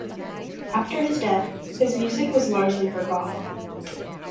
After his death, his music was largely forgotten.